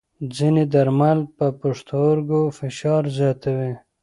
ځینې درمل پر پښتورګو فشار زیاتوي.